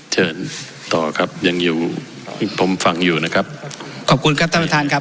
เชิญต่อครับยังอยู่ผมฟังอยู่นะครับขอบคุณครับท่านประธานครับ